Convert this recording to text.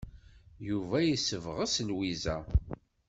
Yuba yessebɣes Lwiza.